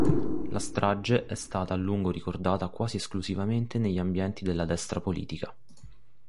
La strage è stata a lungo ricordata quasi esclusivamente negli ambienti della destra politica.